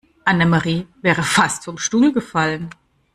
Annemarie wäre fast vom Stuhl gefallen.